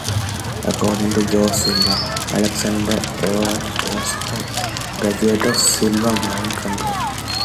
According to Jose Silva, Alexander Everett was a graduate of Silva Mind Control.